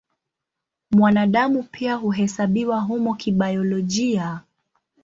Mwanadamu pia huhesabiwa humo kibiolojia.